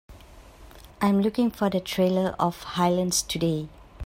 I'm looking for the trailer of Highlands Today